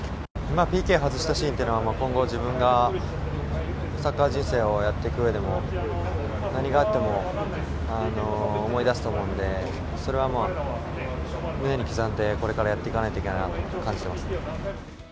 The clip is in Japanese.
ＰＫ外したシーンっていうのは今後、自分がサッカー人生をやっていくうえでも何があっても思い出すと思うんでそれは胸に刻んでこれからやっていかないといけないなと感じています。